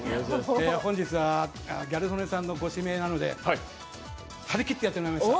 本日はギャル曽根さんのご指名なので張り切ってまいりました。